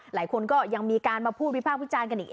หลายคนก็ยังมีการมาพูดวิพากษ์วิจารณ์กันอีก